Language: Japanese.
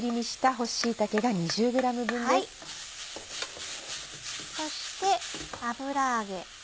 そして油揚げ。